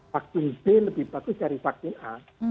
vaksin b lebih bagus dari vaksin a